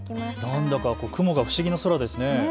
何だか雲が不思議な空ですね。